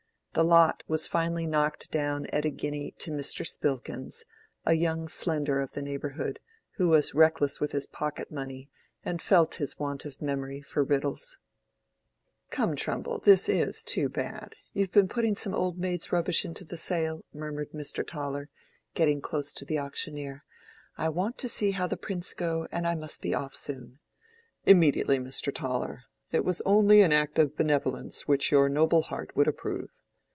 The lot was finally knocked down at a guinea to Mr. Spilkins, a young Slender of the neighborhood, who was reckless with his pocket money and felt his want of memory for riddles. "Come, Trumbull, this is too bad—you've been putting some old maid's rubbish into the sale," murmured Mr. Toller, getting close to the auctioneer. "I want to see how the prints go, and I must be off soon." "_Im_mediately, Mr. Toller. It was only an act of benevolence which your noble heart would approve.